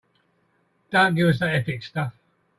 Don't give us that ethics stuff.